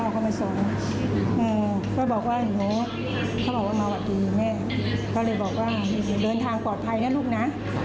เขาเลยบอกว่าเดินทางปลอดภัยนะลูกน่ะ